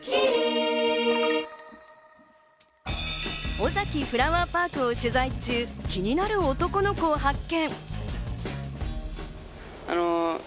オザキフラワーパークを取材中、気になる男の子を発見。